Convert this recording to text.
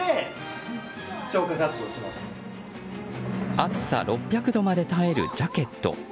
熱さ６００度まで耐えるジャケット。